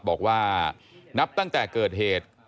บอกว่านับตั้งแต่เกิดเหตุ